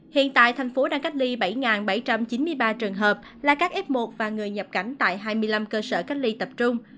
hiện tại thành phố đang cách ly bảy bảy trăm chín mươi ba trường hợp là các f một và người nhập cảnh tại hai mươi năm cơ sở cách ly tập trung